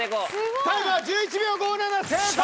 タイムは１１秒５７成功！